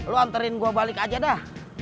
lo antarin gue balik aja dah